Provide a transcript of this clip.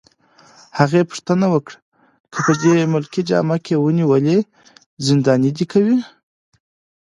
هغې پوښتنه وکړه: که په دې ملکي جامه کي ونیولې، زنداني دي کوي؟